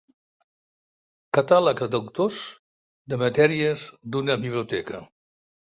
Catàleg d'autors, de matèries, d'una biblioteca.